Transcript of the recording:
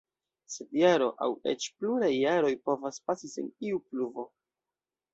Sed jaro, aŭ eĉ pluraj jaroj, povas pasi sen iu pluvo.